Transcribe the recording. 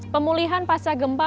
pemulihan pasca gempa